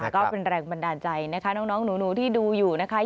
ก็เป็นแรงบันดาลใจนะคะน้องหนูที่ดูอยู่นะคะ